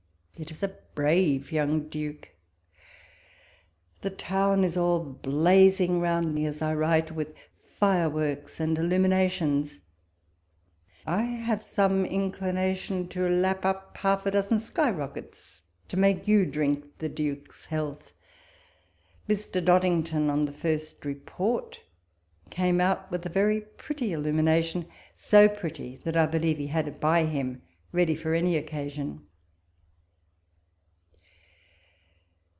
It is a brave young Duke I The town is all blazing round me, as I write, with fireworks and illu minations : I have some inclination to wrap up half a dozen sky rockets, to make you drink the 4G WaLPole's letters. Duke's health. Mr. Dodington, on the first report, came out with a very pretty illumina tion ; so pretty, that I believe he had it by him, ready for amj occasion.